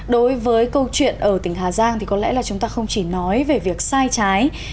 đối với câu chuyện ở tỉnh hà giang thì có lẽ là chúng ta không chỉ nói về việc sai trái